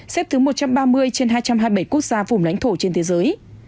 xếp thứ một trăm ba mươi trên hai trăm hai mươi bảy quốc gia vùng lãnh thổ trên thế giới